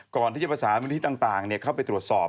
ก่อนที่จะประสาทบินที่ต่างเนี่ยเข้าไปตรวจสอบ